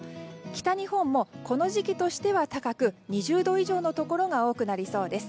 北日本もこの時期としては高く２０度以上のところが多くなりそうです。